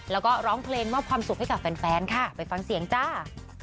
แล้วก็ร้องเพลงมอบความสุขให้กับแฟนค่ะไปฟังเสียงจ้า